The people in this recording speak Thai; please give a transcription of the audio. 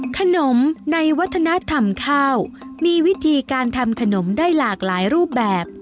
ขนมในวัฒนธรรมข้าวมีวิธีการทำขนมได้หลากหลายรูปแบบ